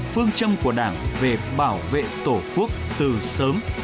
phương châm của đảng về bảo vệ tổ quốc từ sớm